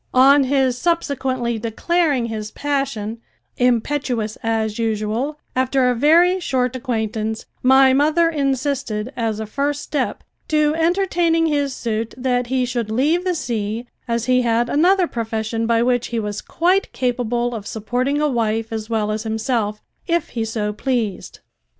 On his subsequently declaring his passion, impetuous as usual, after a very short acquaintance, my mother insisted as a first step to entertaining his suit that he should leave the sea, as he had another profession by which he was quite capable of supporting a wife as well as himself, if he so pleased.